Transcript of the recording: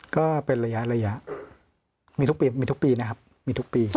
ก็เป็นระยะมีทุกปีมีทุกปีนะครับมีทุกปี